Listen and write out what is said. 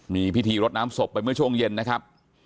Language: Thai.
มีพิธีรดน้ำศพไปเมื่อช่วงเย็นนะครับ